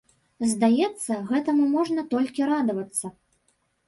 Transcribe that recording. Здаецца, гэтаму можна толькі радавацца.